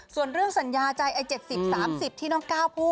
ส่วนเรื่องสัญญาใจ๗๐๓๐ที่น้องก้าวพูด